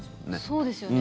そうですよね。